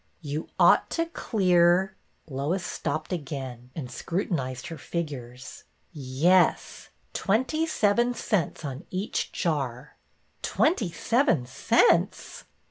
You ought to clear —" Lois stopped again, and scrutinized her figures, '' y e e s, twenty seven cents on each jar.'^ Twenty seven cents